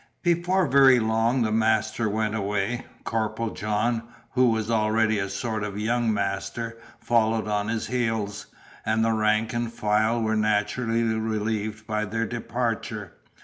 Before very long, the master went away; Corporal John (who was already a sort of young master) followed on his heels; and the rank and file were naturally relieved by their departure.